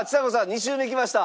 ２周目きました。